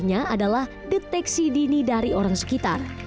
dan pegahnya adalah deteksi dini dari orang sekitar